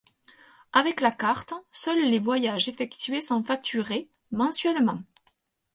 Avec la carte, seuls les voyages effectués sont facturés, mensuellement.